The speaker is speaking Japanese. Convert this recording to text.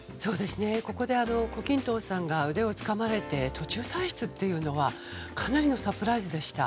ここで、胡錦涛さんが腕をつかまれて途中退出というのはかなりのサプライズでした。